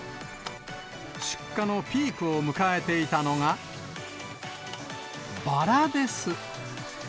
出荷のピークを迎えていたのが、バラです。